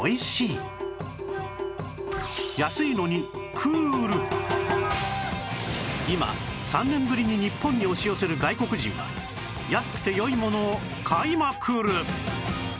多分今３年ぶりに日本に押し寄せる外国人は安くて良いものを買いまくる！